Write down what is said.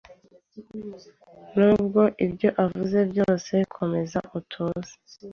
Nubwo ibyo avuga byose, komeza utuze.